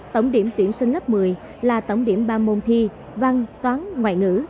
tổng điểm tuyển sinh lớp một mươi là tổng điểm ba môn thi văn toán ngoại ngữ